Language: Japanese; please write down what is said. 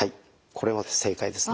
これは正解ですね。